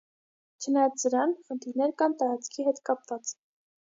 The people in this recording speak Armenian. Չնայած սրան, խնդիրներ կան տարածքի հետ կապված։